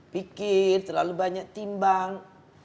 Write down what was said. pikir terlalu banyak timbang